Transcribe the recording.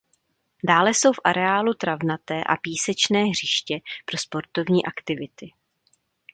Dále jsou v areálu travnaté a písečné hřiště pro sportovní aktivity.